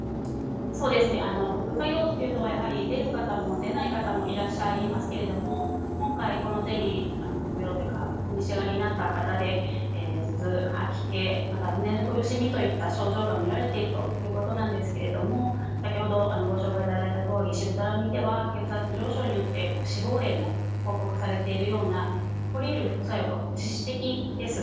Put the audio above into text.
副作用というのはやはり、出る方も、出ない方もいらっしゃいますけれども今回、このゼリー服用というかお召し上がりになった方で頭痛、吐き気、または胸の苦しみといった症状が見られているということですが先ほどご紹介いただいたとおりシブトラミンでは血圧上昇によって死亡例も報告されているような起こり得る副作用が致死的です。